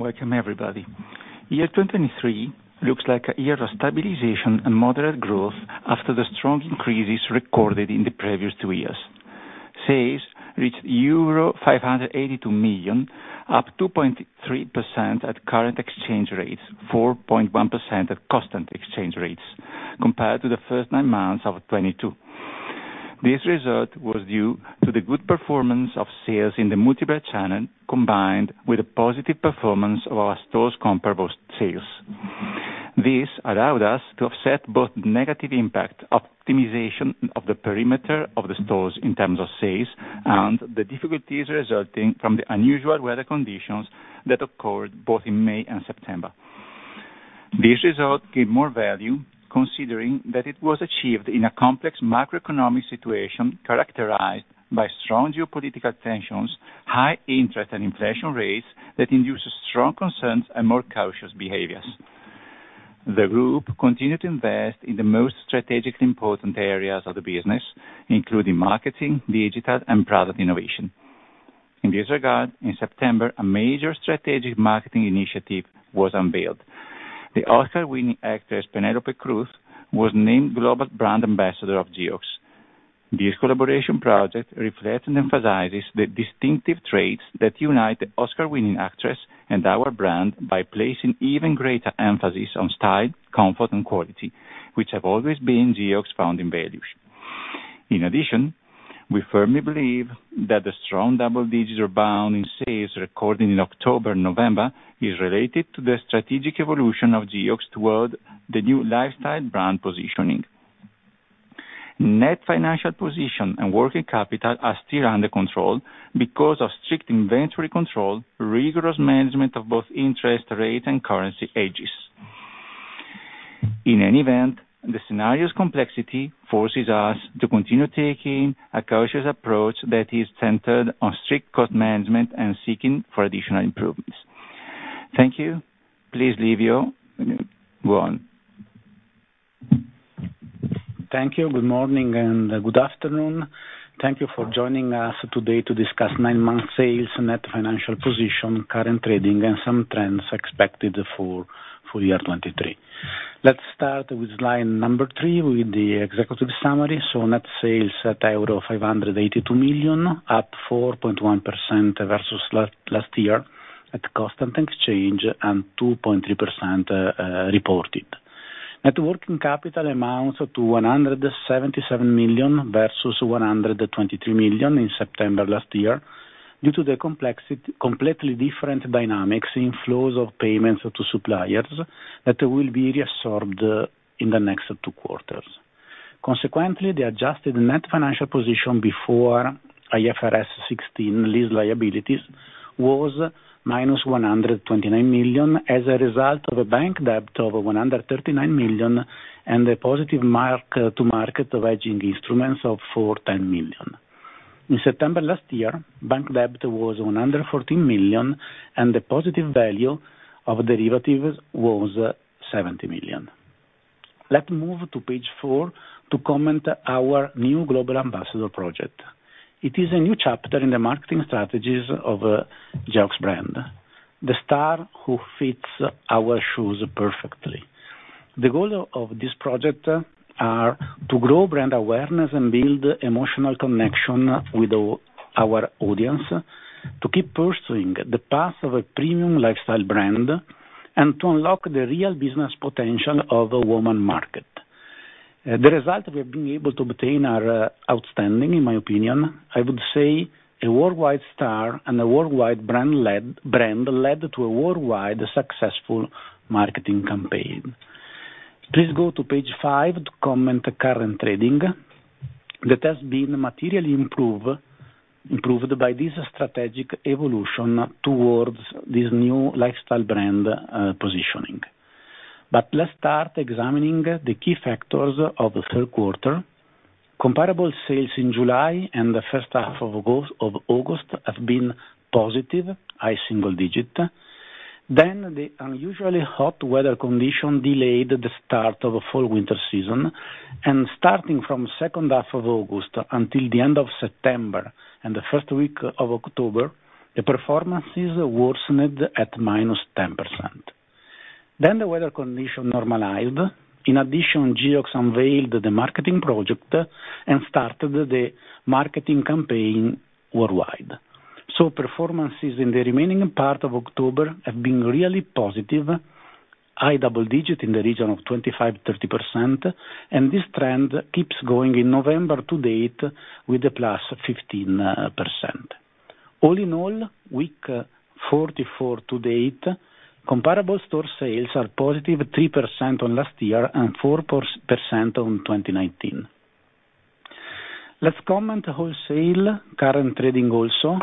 Welcome, everybody. 2023 looks like a year of stabilization and moderate growth after the strong increases recorded in the previous two years. Sales reached euro 582 million, up 2.3% at current exchange rates, 4.1% at constant exchange rates, compared to the first nine months of 2022. This result was due to the good performance of sales in the multi-brand channel, combined with a positive performance of our stores' comparable sales. This allowed us to offset both negative impact, optimization of the perimeter of the stores in terms of sales, and the difficulties resulting from the unusual weather conditions that occurred both in May and September. This result gave more value, considering that it was achieved in a complex macroeconomic situation characterized by strong geopolitical tensions, high interest and inflation rates that induces strong concerns and more cautious behaviors. The group continued to invest in the most strategically important areas of the business, including marketing, digital, and product innovation. In this regard, in September, a major strategic marketing initiative was unveiled. The Oscar-winning actress, Penélope Cruz, was named Global Brand Ambassador of Geox. This collaboration project reflects and emphasizes the distinctive traits that unite the Oscar-winning actress and our brand by placing even greater emphasis on style, comfort, and quality, which have always been Geox founding values. In addition, we firmly believe that the strong double-digit bounce in sales recorded in October, November, is related to the strategic evolution of Geox toward the new lifestyle brand positioning. Net financial position and working capital are still under control because of strict inventory control, rigorous management of both interest rate and currency hedges. In any event, the scenario's complexity forces us to continue taking a cautious approach that is centered on strict cost management and seeking for additional improvements. Thank you. Please, Livio, go on. Thank you. Good morning and good afternoon. Thank you for joining us today to discuss nine-month sales, net financial position, current trading, and some trends expected for full year 2023. Let's start with line number three, with the executive summary. So net sales at euro 582 million, up 4.1% versus last year at constant exchange, and 2.3% reported. Net working capital amounts to 177 million versus 123 million in September last year, due to the complexity completely different dynamics in flows of payments to suppliers that will be reabsorbed in the next two quarters. Consequently, the adjusted net financial position before IFRS 16 lease liabilities was -129 million as a result of a bank debt of 139 million, and a positive mark-to-market of hedging instruments of 10 million. In September last year, bank debt was 114 million, and the positive value of derivatives was 70 million. Let's move to page 4 to comment our new global ambassador project. It is a new chapter in the marketing strategies of Geox brand, the star who fits our shoes perfectly. The goal of this project are to grow brand awareness and build emotional connection with our, our audience, to keep pursuing the path of a premium lifestyle brand, and to unlock the real business potential of a woman market. The result we have been able to obtain are outstanding, in my opinion. I would say a worldwide star and a worldwide brand-led, brand-led to a worldwide successful marketing campaign. Please go to page five to comment current trading, that has been materially improved by this strategic evolution towards this new lifestyle brand positioning. But let's start examining the key factors of the third quarter. Comparable sales in July and the first half of August have been positive, high single-digit. Then the unusually hot weather condition delayed the start of a fall/winter season, and starting from second half of August until the end of September and the first week of October, the performances worsened at -10%. Then the weather condition normalized. In addition, Geox unveiled the marketing project and started the marketing campaign worldwide. So performances in the remaining part of October have been really positive, high double-digit in the region of 25-30%, and this trend keeps going in November to date with a +15%. All in all, week 44 to date, comparable store sales are +3% on last year and 4% on 2019. Let's comment wholesale current trading also.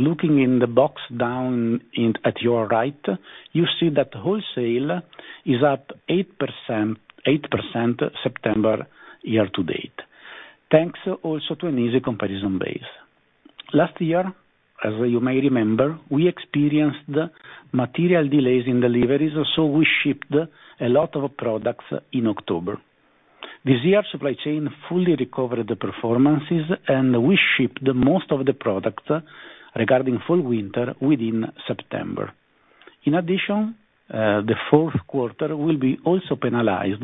Looking in the box down at your right, you see that wholesale is up 8%, 8% September year to date, thanks also to an easy comparison base. Last year, as you may remember, we experienced material delays in deliveries, so we shipped a lot of products in October. This year, supply chain fully recovered the performances, and we shipped the most of the product b September. In addition, the fourth quarter will be also penalized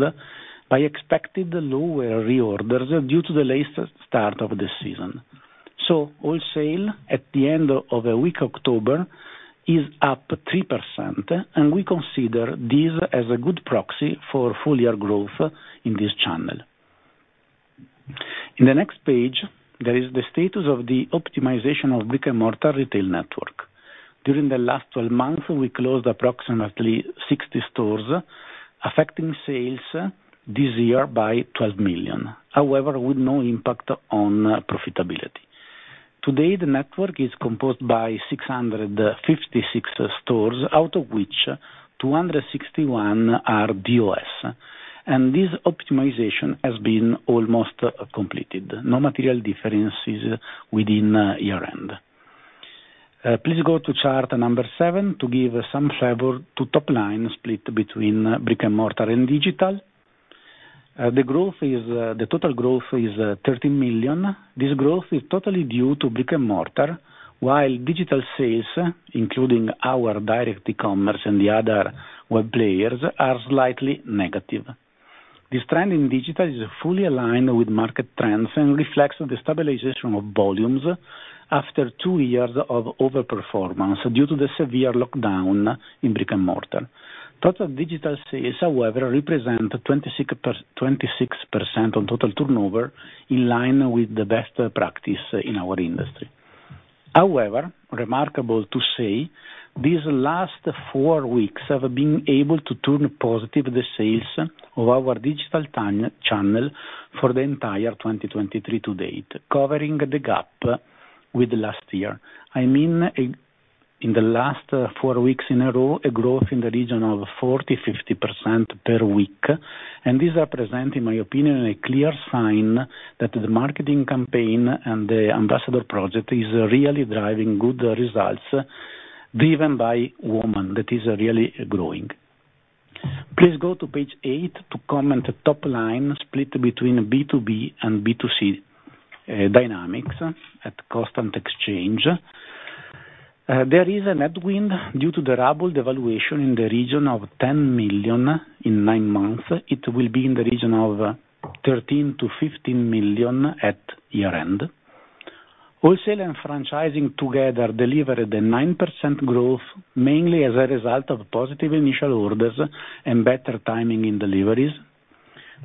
by expected lower reorders due to the latest start of the season. So wholesale, at the end of the week, October, is up 3%, and we consider this as a good proxy for full-year growth in this channel. In the next page, there is the status of the optimization of brick-and-mortar retail network. During the last 12 months, we closed approximately 60 stores, affecting sales this year by 12 million, however, with no impact on profitability. Today, the network is composed by 656 stores, out of which 261 are DOS, and this optimization has been almost completed. No material differences within the year-end. Please go to chart number seven to give some flavor to top line split between brick-and-mortar and digital. The growth is, the total growth is, 13 million. This growth is totally due to brick-and-mortar, while digital sales, including our direct e-commerce and the other web players, are slightly negative. This trend in digital is fully aligned with market trends and reflects the stabilization of volumes after two years of overperformance due to the severe lockdown in brick-and-mortar. Total digital sales, however, represent 26% of total turnover, in line with the best practice in our industry. However, remarkable to say, these last four weeks have been able to turn positive the sales of our digital channel for the entire 2023 to date, covering the gap with last year. I mean, in the last 4 weeks in a row, a growth in the region of 40%-50% per week, and these are present, in my opinion, a clear sign that the marketing campaign and the ambassador project is really driving good results, driven by women, that is really growing. Please go to page eight to comment top line split between B2B and B2C, dynamics at constant exchange. There is a headwind due to the ruble devaluation in the region of 10 million in nine months. It will be in the region of 13 million to 15 million at year-end. Wholesale and franchising together delivered a 9% growth, mainly as a result of positive initial orders and better timing in deliveries.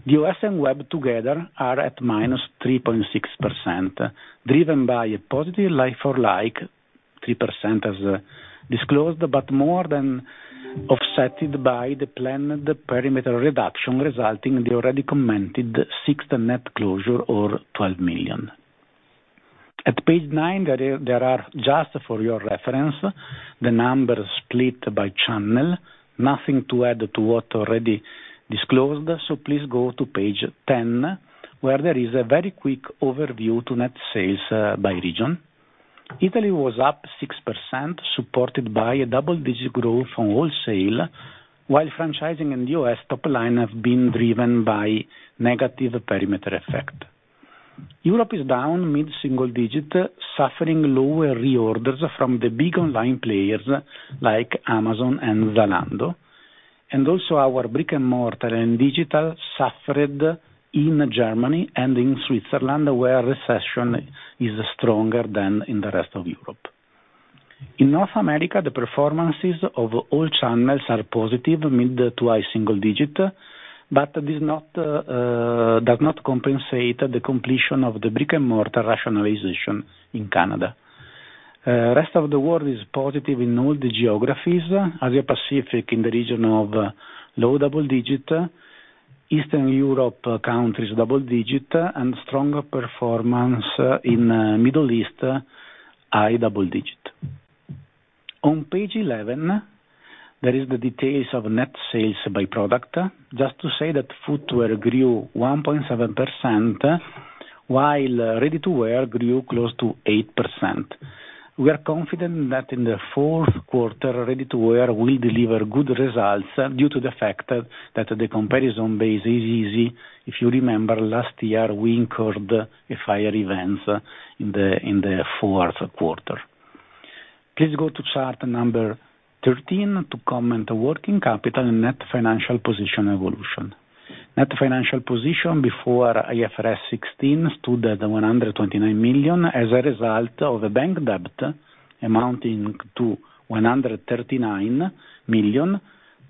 The U.S. and web together are at -3.6%, driven by a positive like-for-like 3% as disclosed, but more than offsetting by the planned perimeter reduction, resulting in the already commented six net closures of 12 million. At page nine, there are, just for your reference, the numbers split by channel. Nothing to add to what already disclosed, so please go to page 10, where there is a very quick overview to net sales by region. Italy was up 6%, supported by a double-digit growth from wholesale, while franchising in the U.S. top line have been driven by negative perimeter effect. Europe is down mid-single digit, suffering lower reorders from the big online players like Amazon and Zalando, and also our brick-and-mortar and digital suffered in Germany and in Switzerland, where recession is stronger than in the rest of Europe. In North America, the performances of all channels are positive, mid to high-single-digit, but this does not compensate the completion of the brick-and-mortar rationalization in Canada. Rest of the world is positive in all the geographies. Asia Pacific in the region of low-double-digit, Eastern Europe countries, double-digit, and stronger performance in Middle East, high-double-digit. On page 11, there is the details of net sales by product. Just to say that footwear grew 1.7%, while ready-to-wear grew close to 8%. We are confident that in the fourth quarter, ready-to-wear will deliver good results due to the fact that the comparison base is easy. If you remember, last year, we incurred a fire event in the fourth quarter. Please go to chart number 13 to comment working capital and net financial position evolution. Net Financial Position before IFRS 16 stood at 129 million as a result of a bank debt amounting to 139 million,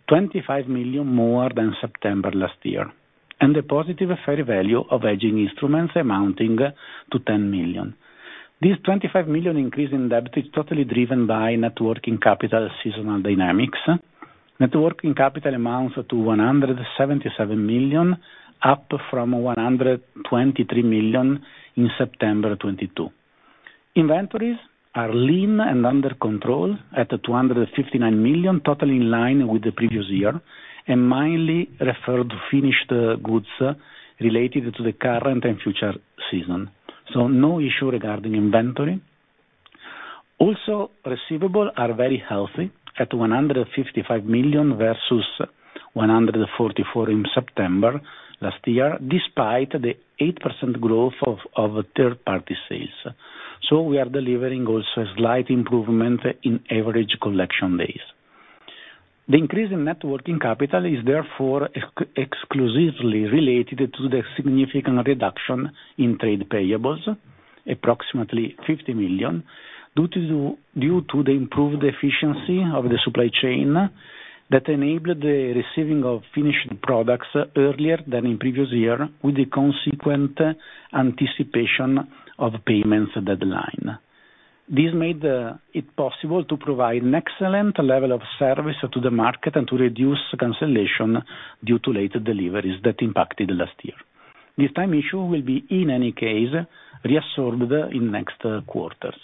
25 million more than September last year, and a positive fair value of hedging instruments amounting to 10 million. This 25 million increase in debt is totally driven by Net Working Capital seasonal dynamics. Net Working Capital amounts to 177 million, up from 123 million in September 2022. Inventories are lean and under control at 259 million, totally in line with the previous year, and mainly referred finished goods related to the current and future season. So no issue regarding inventory. Also, receivables are very healthy at 155 million versus 144 million in September last year, despite the 8% growth of third-party sales. We are also delivering a slight improvement in average collection days. The increase in Net Working Capital is therefore exclusively related to the significant reduction in trade payables, approximately 50 million, due to the improved efficiency of the supply chain that enabled the receiving of finished products earlier than in previous year, with the consequent anticipation of payment deadlines. This made it possible to provide an excellent level of service to the market and to reduce cancellations due to late deliveries that impacted last year. This time issue will be, in any case, reabsorbed in next quarters.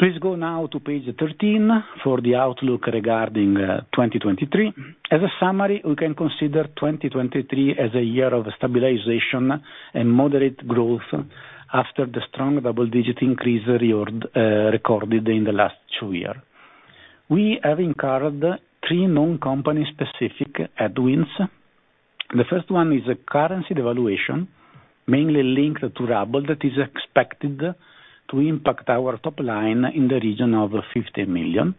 Please go now to page 13 for the outlook regarding 2023. As a summary, we can consider 2023 as a year of stabilization and moderate growth after the strong double-digit increase recorded in the last two years. We have incurred three non-company-specific headwinds. The first one is a currency devaluation, mainly linked to ruble, that is expected to impact our top line in the region of 50 million.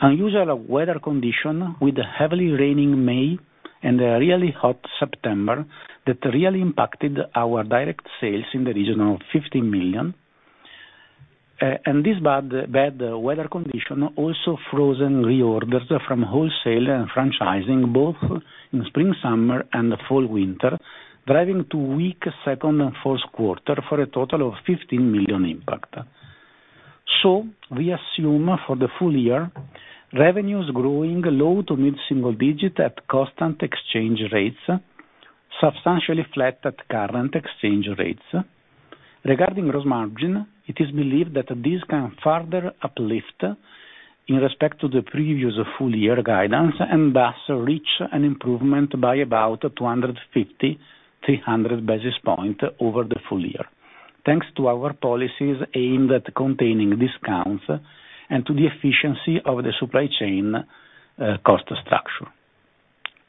Unusual weather condition with a heavily raining May and a really hot September that really impacted our direct sales in the region of 50 million. And this bad, bad weather condition also frozen reorders from wholesale and franchising, both in spring, summer, and fall, winter, driving too weak second and fourth quarter for a total of 15 million impact. So we assume for the full year, revenues growing low- to mid-single-digit at constant exchange rates, substantially flat at current exchange rates. Regarding gross margin, it is believed that this can further uplift in respect to the previous full year guidance, and thus reach an improvement by about 250-300 basis point over the full year, thanks to our policies aimed at containing discounts and to the efficiency of the supply chain, cost structure.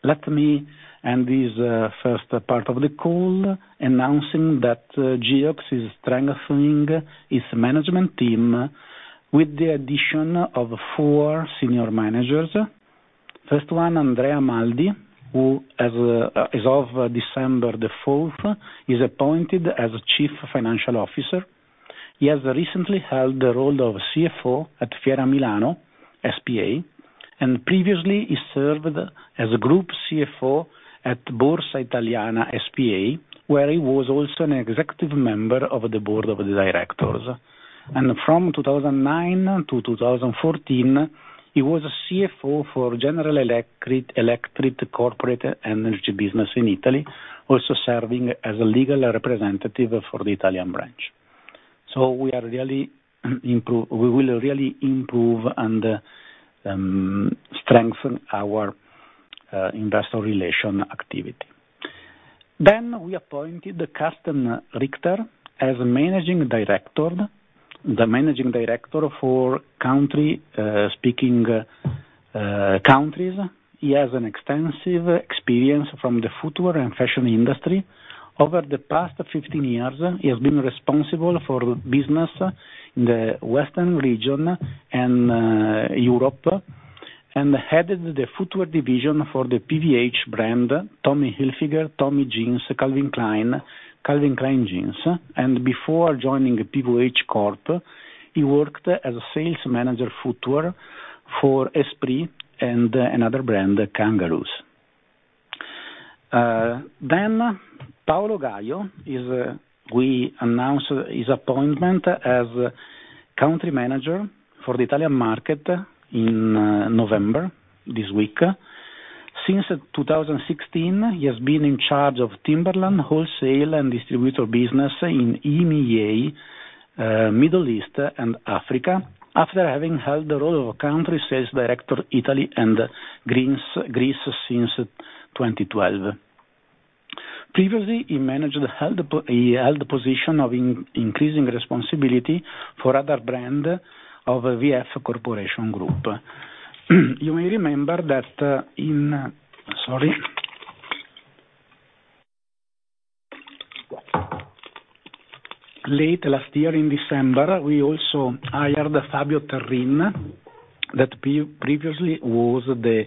Let me end this first part of the call, announcing that Geox is strengthening its management team with the addition of four senior managers. First one, Andrea Maldi, who as of December 4 is appointed as Chief Financial Officer. He has recently held the role of CFO at Fiera Milano S.p.A., and previously he served as a group CFO at Borsa Italiana S.p.A., where he was also an executive member of the Board of Directors. From 2009-2014, he was a CFO for General Electric Corporate Energy Business in Italy, also serving as a legal representative for the Italian branch. So we are really improve, we will really improve and strengthen our industrial relation activity. Then we appointed Carsten Richter as Managing Director, the Managing Director for German-speaking countries. He has an extensive experience from the footwear and fashion industry. Over the past 15 years, he has been responsible for business in the western region and Europe, and headed the footwear division for the PVH brand, Tommy Hilfiger, Tommy Jeans, Calvin Klein, Calvin Klein Jeans, and before joining PVH Corp, he worked as a sales manager footwear for Esprit and another brand, Kangaroos. Then Paolo Gajo is, we announced his appointment as Country Manager for the Italian market in November, this week. Since 2016, he has been in charge of Timberland wholesale and distributor business in EMEA, Middle East and Africa, after having held the role of Country Sales Director, Italy and Greece since 2012. Previously, he held the position of increasing responsibility for other brand of VF Corporation group. You may remember that, late last year, in December, we also hired Fabio Terrin, who previously was the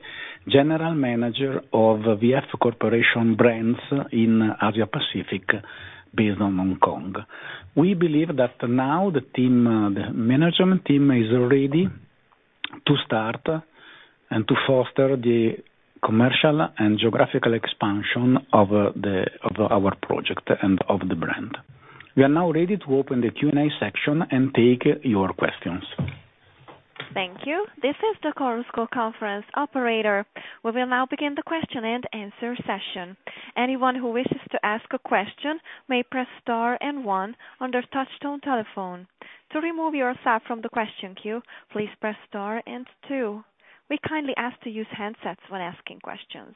General Manager of VF Corporation brands in Asia Pacific, based in Hong Kong. We believe that now the team, the management team is ready to start and to foster the commercial and geographical expansion of our project and of the brand. We are now ready to open the Q&A section and take your questions. Thank you. This is the Chorus Call Conference operator. We will now begin the question-and-answer session. Anyone who wishes to ask a question may press star and one on their touchtone telephone. To remove yourself from the question queue, please press star and two. We kindly ask to use handsets when asking questions.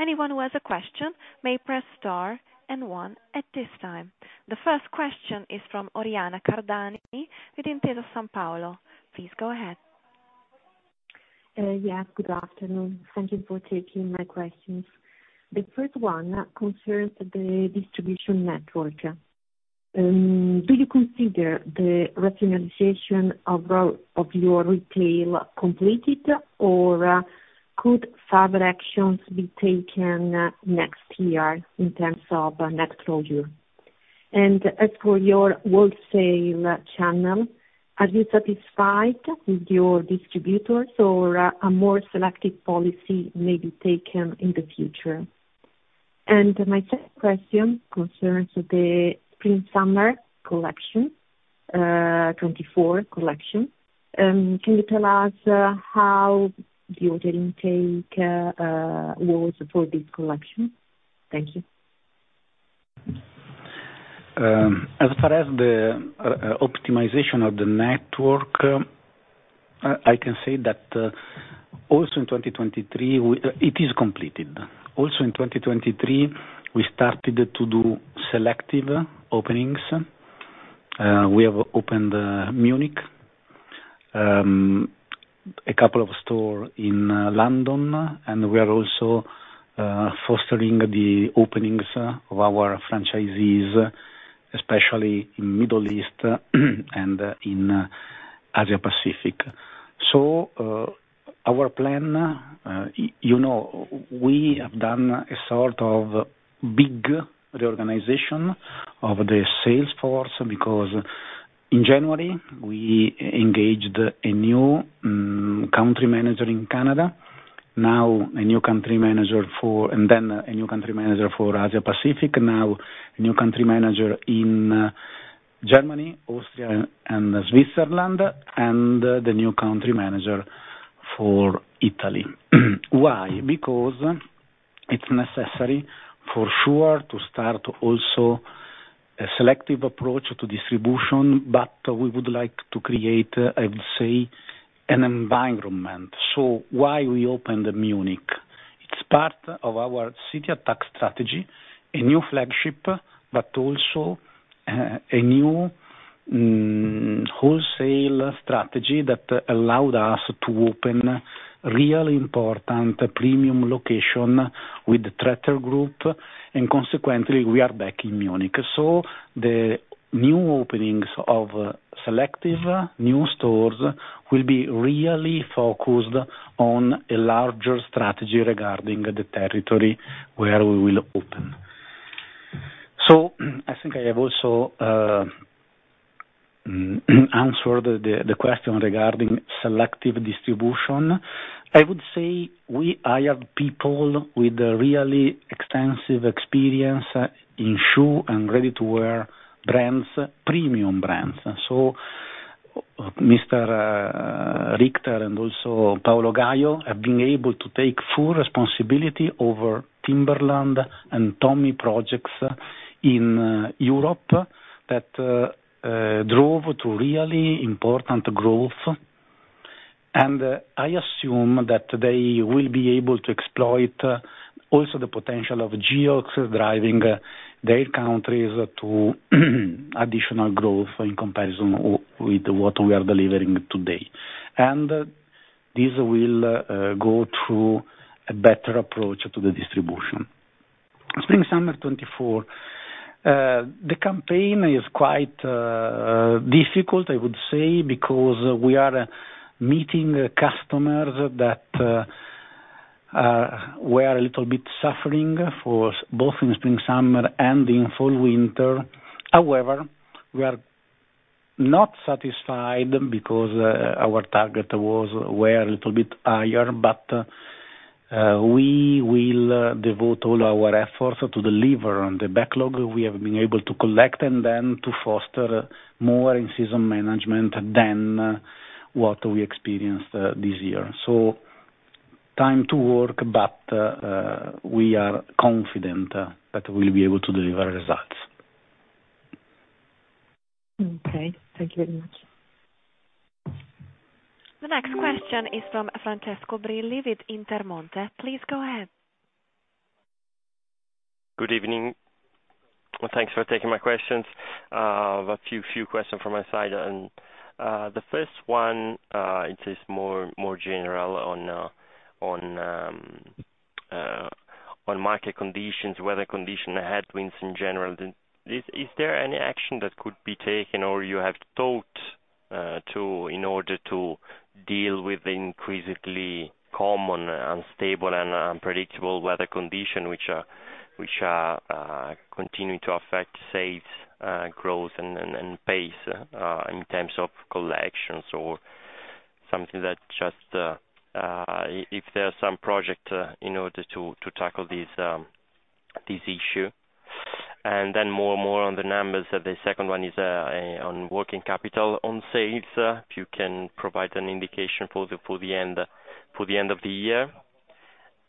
Anyone who has a question may press star and one at this time. The first question is from Oriana Cardani, with Intesa Sanpaolo. Please go ahead. Yes, good afternoon. Thank you for taking my questions. The first one concerns the distribution network. Do you consider the rationalization of your retail completed, or could further actions be taken next year in terms of net closure? And as for your wholesale channel, are you satisfied with your distributors, or would a more selective policy be taken in the future? And my second question concerns the spring/summer collection, 2024 collection. Can you tell us how the order intake was for this collection? Thank you. As far as the optimization of the network, I can say that also in 2023, it is completed. Also in 2023, we started to do selective openings. We have opened Munich, a couple of stores in London, and we are also fostering the openings of our franchisees, especially in Middle East and in Asia Pacific. So, our plan we have done a sort of big reorganization of the sales force, because in January, we engaged a new country manager in Canada, now a new country manager for and then a new country manager for Asia Pacific, now a new country manager in Germany, Austria, and Switzerland, and the new country manager for Italy. Why? Because it's necessary, for sure, to start also a selective approach to distribution, but we would like to create, I would say, an environment. So why we opened Munich? It's part of our city attack strategy, a new flagship, but also a new wholesale strategy that allowed us to open real important premium location with the Tretter Group, and consequently, we are back in Munich. So the new openings of selective new stores will be really focused on a larger strategy regarding the territory where we will open. So I think I have also answered the question regarding selective distribution. I would say we hired people with a really extensive experience in shoe and ready-to-wear brands, premium brands. So, Mr. Richter and also Paolo Gajo have been able to take full responsibility over Timberland and Tommy projects in Europe that drove to really important growth. And I assume that they will be able to exploit also the potential of Geox driving their countries to additional growth in comparison with what we are delivering today. And this will go through a better approach to the distribution. Spring/summer 2024, the campaign is quite difficult, I would say, because we are meeting customers that were a little bit suffering for both in spring/summer and in fall/winter. However, we are not satisfied because, our target was, were a little bit higher, but, we will devote all our efforts to deliver on the backlog we have been able to collect, and then to foster more in-season management than what we experienced, this year. So time to work, but, we are confident, that we'll be able to deliver results. Okay. Thank you very much. The next question is from Francesco Brilli, with Intermonte. Please go ahead. Good evening, and thanks for taking my questions. I've a few questions from my side, and the first one, it is more general on market conditions, weather condition, headwinds in general. Is there any action that could be taken or you have thought to, in order to deal with the increasingly common, unstable, and unpredictable weather condition, which continue to affect sales growth and pace in terms of collections or something that just if there's some project in order to tackle this issue? And then more and more on the numbers, the second one is on working capital on sales, if you can provide an indication for the end of the year.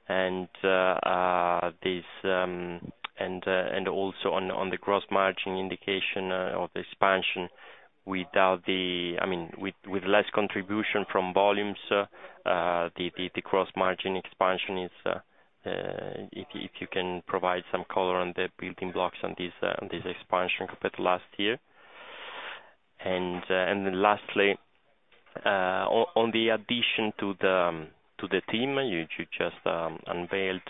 And also on the gross margin indication of expansion without the, I mean, with less contribution from volumes, the gross margin expansion is, if you can provide some color on the building blocks on this expansion compared to last year? And then lastly, on the addition to the team you just unveiled,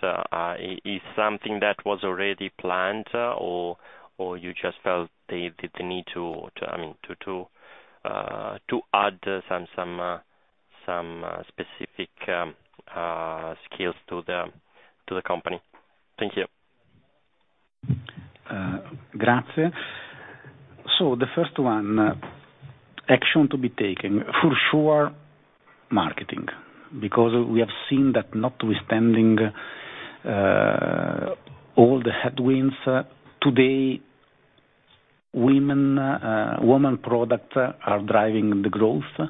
is something that was already planned, or you just felt the need to, I mean, to add some specific skills to the company? Thank you. Grazie. So the first one, action to be taken, for sure, marketing, because we have seen that notwithstanding, all the headwinds, today, women, woman product, are driving the growth,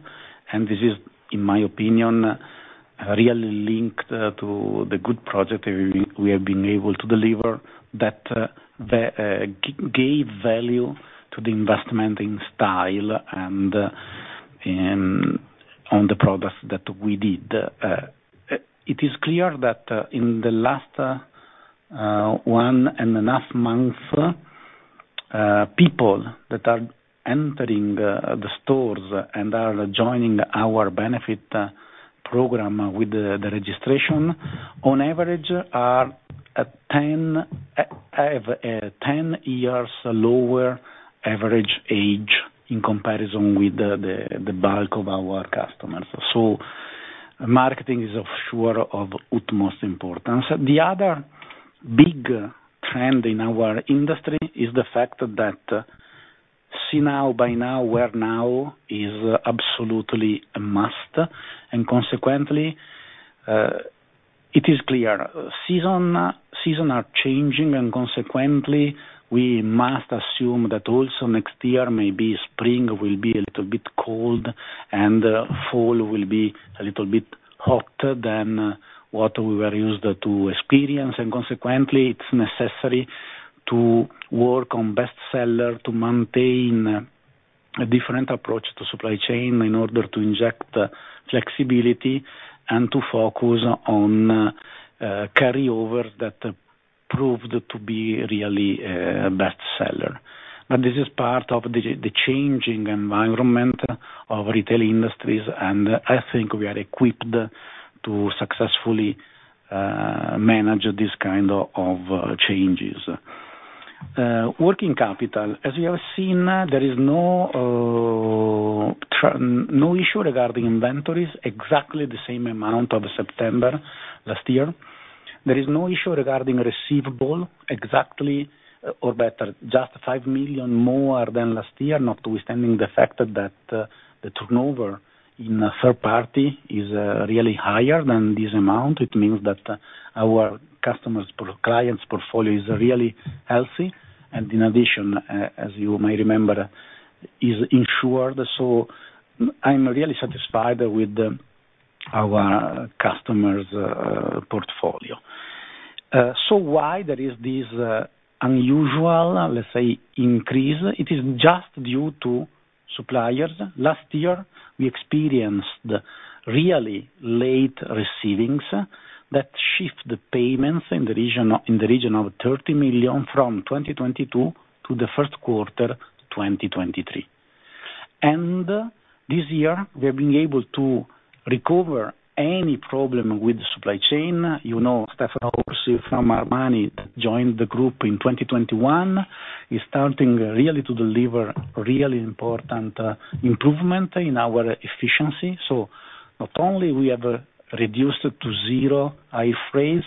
and this is, in my opinion, really linked, to the good project we have been able to deliver that, the, gave value to the investment in style and, and on the progress that we did. It is clear that, in the last, 1.5 months, people that are entering, the stores and are joining our benefit, program with the registration, on average have, 10 years lower average age in comparison with the bulk of our customers. So marketing is for sure of utmost importance. The other big trend in our industry is the fact that see now, buy now, wear now is absolutely a must, and consequently it is clear. Seasons are changing, and consequently, we must assume that also next year, maybe spring will be a little bit cold and fall will be a little bit hotter than what we were used to experience, and consequently, it's necessary to work on bestseller to maintain a different approach to supply chain in order to inject flexibility and to focus on carry over that proved to be really bestseller. But this is part of the changing environment of retail industries, and I think we are equipped to successfully manage this kind of changes. Working capital. As you have seen, there is no issue regarding inventories, exactly the same amount as September last year. There is no issue regarding receivable, exactly, or better, just 5 million more than last year, notwithstanding the fact that the turnover in a third party is really higher than this amount. It means that our customers, clients' portfolio is really healthy, and in addition, as you may remember, is insured. So I'm really satisfied with our customers', portfolio. So why there is this unusual, let's say, increase? It is just due to suppliers. Last year, we experienced really late receiving that shift the payments in the region, in the region of 30 million from 2022 to the first quarter, 2023. This year, we have been able to recover any problem with the supply chain. Stefano Orsi from Armani joined the group in 2021. He's starting really to deliver really important in our efficiency. So not only we have reduced it to zero air freight,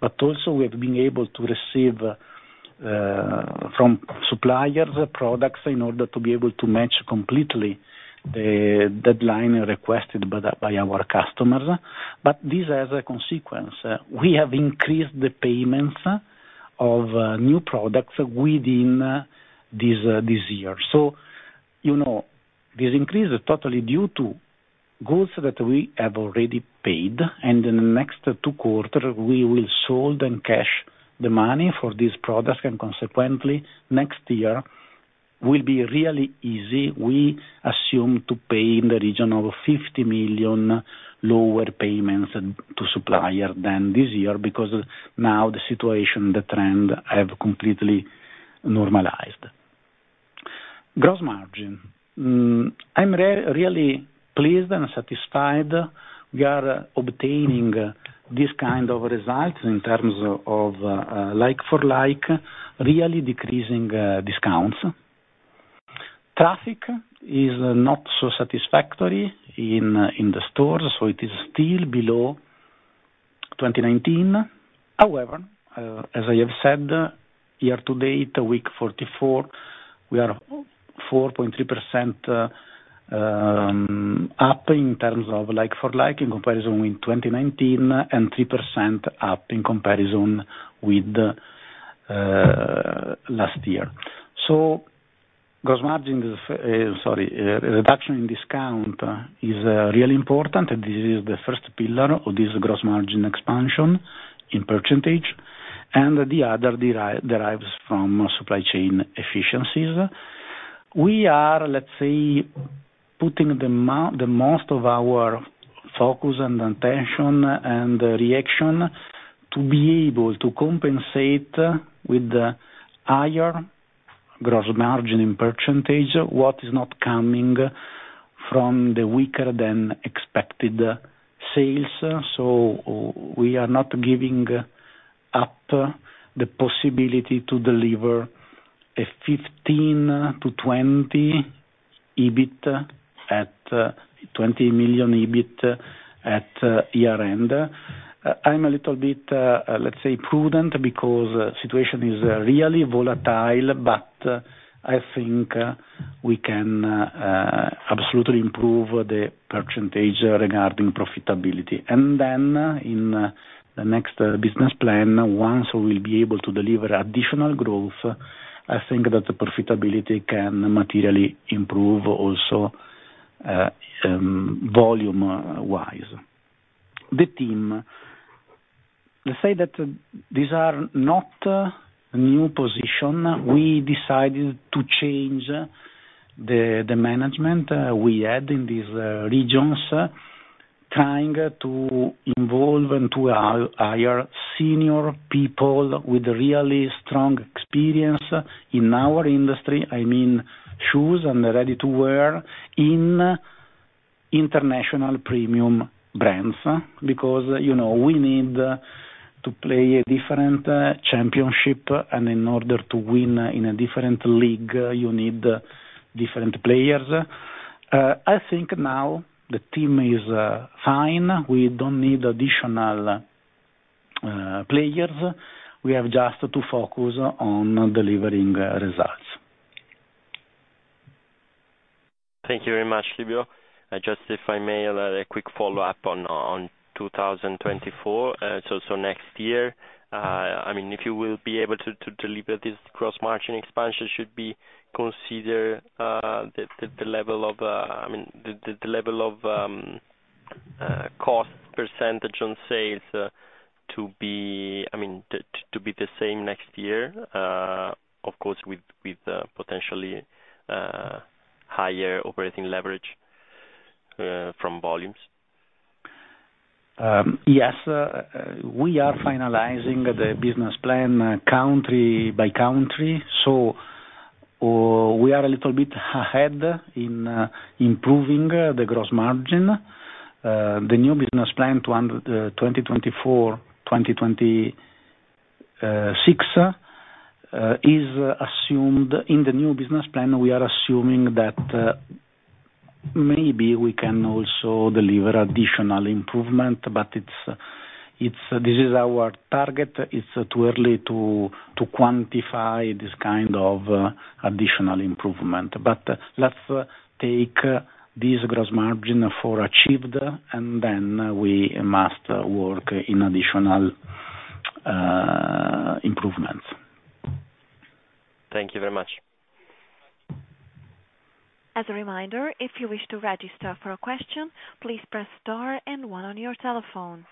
but also we have been able to receive, from suppliers, products in order to be able to match completely the deadline requested by our customers. But this has a consequence. We have increased the payments of, new products within this year. So, this increase is totally due to goods that we have already paid, and in the next two quarter, we will sold and cash the money for this product, and consequently, next year will be really easy. We assume to pay in the region of 50 million lower payments to supplier than this year, because now the situation, the trend, have completely normalized. Gross margin. I'm really pleased and satisfied we are obtaining this kind of results in terms of, like for like, really decreasing, discounts. Traffic is not so satisfactory in the stores, so it is still below 2019. However, as I have said, year to date, week 44, we are 4.3% up in terms of like-for-like in comparison with 2019, and 3% up in comparison with last year. Gross margin is, sorry, reduction in discount is really important, and this is the first pillar of this gross margin expansion in percentage, and the other derives from supply chain efficiencies. We are, let's say, putting the most of our focus and attention and reaction to be able to compensate with the higher gross margin in percentage, what is not coming from the weaker-than-expected sales. So we are not giving up the possibility to deliver a 15-20 EBIT at 20 million EBIT at year-end. I'm a little bit, let's say prudent, because the situation is really volatile, but I think we can absolutely improve the percentage regarding profitability. And then in the next business plan, once we'll be able to deliver additional growth, I think that the profitability can materially improve also volume-wise. The team, let's say that these are not a new position. We decided to change the management we had in these regions, trying to involve and to hire senior people with really strong experience in our industry, I mean, shoes and ready-to-wear, in international premium brands. Because we need to play a different championship, and in order to win in a different league, you need different players. I think now the team is fine. We don't need additional players. We have just to focus on delivering results. Thank you very much, Livio. Just if I may, a quick follow-up on 2024, so next year, I mean, if you will be able to deliver this gross margin expansion, should we consider the level of, I mean, the level of cost percentage on sales to be, I mean, to be the same next year? Of course, with potentially higher operating leverage from volumes. Yes, we are finalizing the business plan country by country, so we are a little bit ahead in improving the gross margin. The new business plan through 2024-2026 is assumed. In the new business plan, we are assuming that maybe we can also deliver additional improvement, but it's this is our target. It's too early to quantify this kind of additional improvement. But let's take this gross margin for achieved, and then we must work in additional improvements. Thank you very much. As a reminder, if you wish to register for a question, please press star and one on your telephone.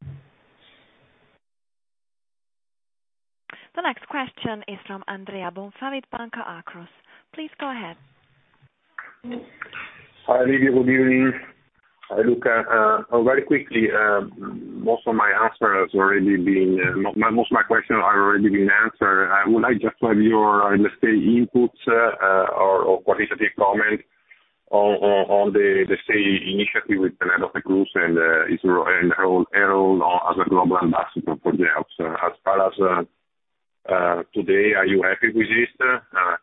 The next question is from Andrea Bonfà, Banca Akros. Please go ahead. Hi, Livio, good evening. Very quickly, most of my questions have already been answered. I would like just to have your, let's say, inputs or qualitative comment on the initiative with Penélope Cruz and her role as a global ambassador for Geox. As far as today, are you happy with this?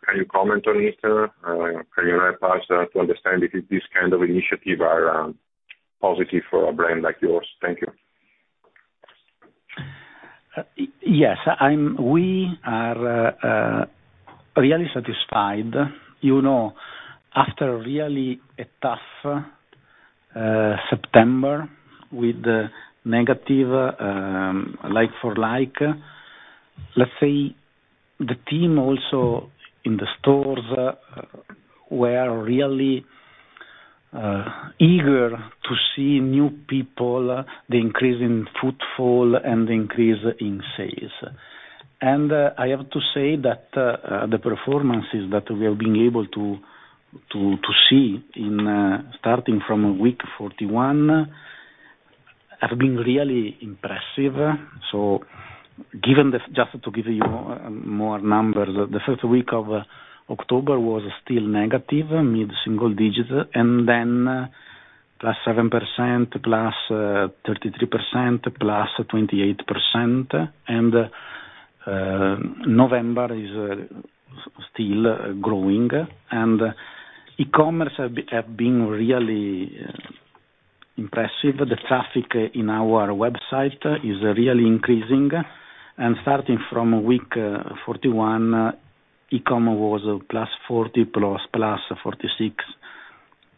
Can you comment on it? Can you help us to understand if this kind of initiative are positive for a brand like yours? Thank you. Yes, we are really satisfied. After a tough September with the negative like-for-like, let's say, the team also in the stores were really eager to see new people, the increase in footfall and the increase in sales. And I have to say that the performances that we have been able to see in starting from week 41 have been really impressive. So given this, just to give you more numbers, the first week of October was still negative, mid-single digit, and then +7%, +33%, +28%, and November is still growing. And e-commerce have been really impressive. The traffic in our website is really increasing, and starting from week 41, e-com was +40, +46,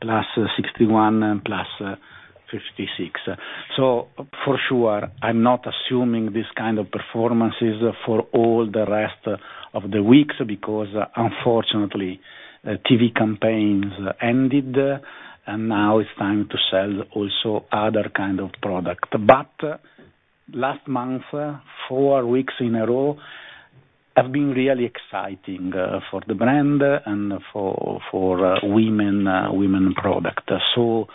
+61 and +56. So for sure, I'm not assuming this kind of performances for all the rest of the weeks, because unfortunately, the TV campaigns ended, and now it's time to sell also other product. But last month, 4 weeks in a row, have been really exciting for the brand and for women's products. So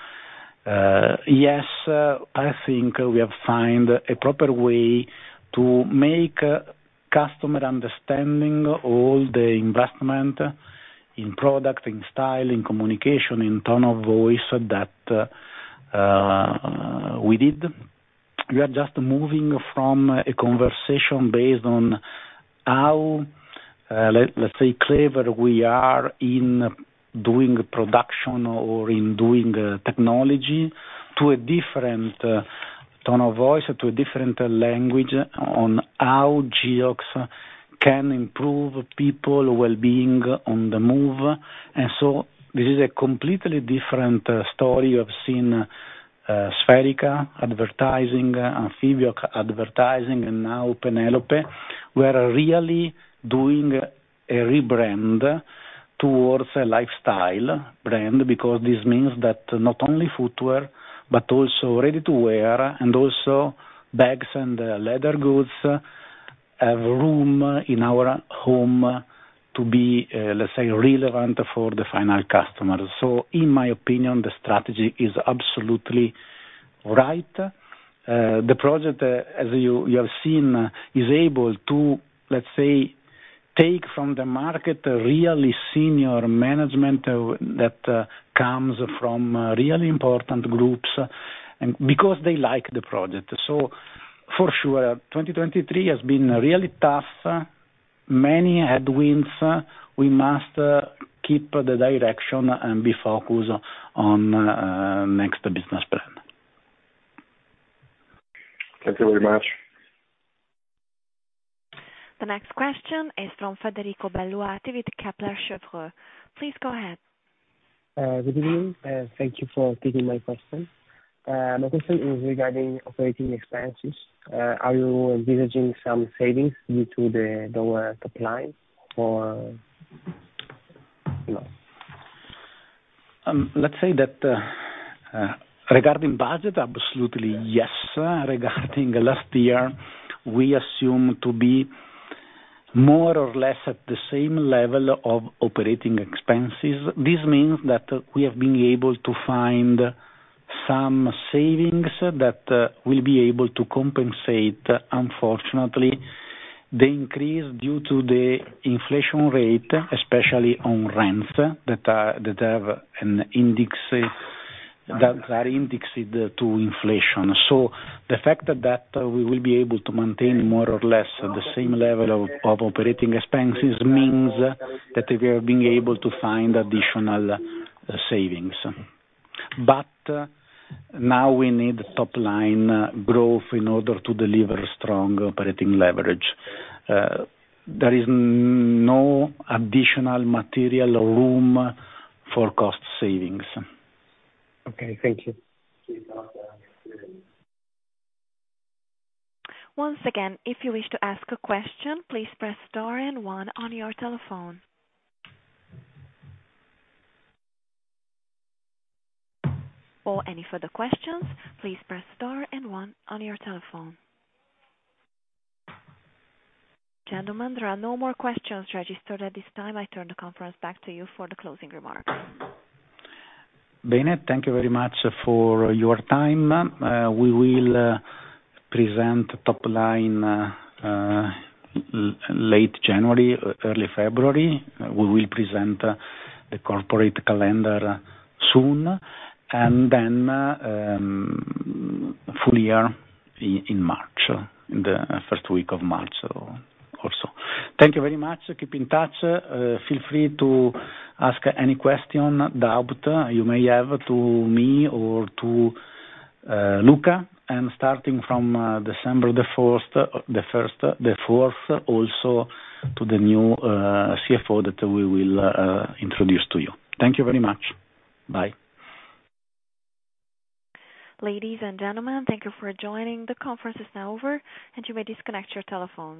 yes, I think we have found a proper way to make customer understanding all the investment in product, in style, in communication, in tone of voice that we did. We are just moving from a conversation based on how, let's say, clever we are in doing production or in doing the technology, to a different tone of voice, to a different language on how Geox can improve people's well-being on the move. This is a completely different story. You have seen Spherica advertising, Amphibiox advertising, and now Penélope. We are really doing a rebrand towards a lifestyle brand, because this means that not only footwear, but also ready-to-wear, and also bags and leather goods, have room in our home to be, let's say, relevant for the final customer. In my opinion, the strategy is absolutely right. The project, as you have seen, is able to, let's say, take from the market a really senior management that comes from really important groups, and because they like the project. For sure, 2023 has been really tough, many headwinds. We must keep the direction and be focused on next business plan. Thank you very much. The next question is from Federico Belluati with Kepler Cheuvreux. Please go ahead. Good evening, and thank you for taking my question. My question is regarding operating expenses. Are you envisaging some savings due to the lower top line or no? Let's say that, regarding budget, absolutely yes. Regarding last year, we assume to be more or less at the same level of operating expenses. This means that we have been able to find some savings that will be able to compensate, unfortunately, the increase due to the inflation rate, especially on rents, that have an index, that are indexed to inflation. So the fact that we will be able to maintain more or less the same level of operating expenses means that we are being able to find additional savings. But, now we need top line growth in order to deliver strong operating leverage. There is no additional material room for cost savings. Okay. Thank you. Once again, if you wish to ask a question, please press star and one on your telephone. For any further questions, please press star and one on your telephone. Gentlemen, there are no more questions registered at this time. I turn the conference back to you for the closing remarks. Bene, thank you very much for your time. We will present top line late January, early February. We will present the corporate calendar soon, and then full year in March, in the first week of March or also. Thank you very much. Keep in touch. Feel free to ask any question, doubt you may have to me or to Luca, and starting from December the fourth, also to the new CFO that we will introduce to you. Thank you very much. Bye. Ladies and gentlemen, thank you for joining. The conference is now over, and you may disconnect your telephones.